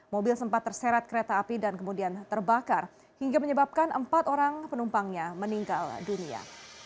mobil sempat terserat kereta api dan kemudian terbakar hingga menyebabkan empat orang penumpangnya meninggal dunia